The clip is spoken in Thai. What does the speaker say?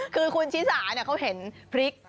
คือคุณชิสาเขาเห็นพริก